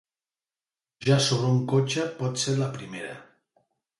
Pujar sobre un cotxe pot ser la primera.